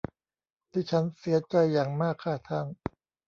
ดิฉันเสียใจอย่างมากค่ะท่าน